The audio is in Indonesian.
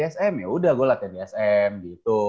sma yaudah gue latihan di sma